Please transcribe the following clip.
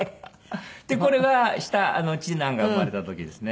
でこれは下次男が生まれた時ですね。